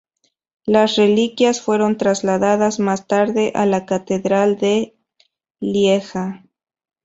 Las reliquias fueron trasladadas más tarde a la Catedral de Lieja.